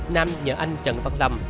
nam nhờ anh trần văn lâm